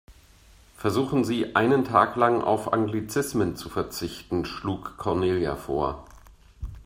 Versuchen Sie, einen Tag lang auf Anglizismen zu verzichten, schlug Cornelia vor.